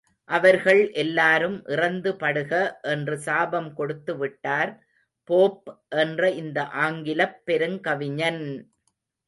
அவர்கள் எல்லாரும் இறந்து படுக என்று சாபம் கொடுத்துவிட்டார் போப் என்ற இந்த ஆங்கிலப் பெருங்கவிஞன்!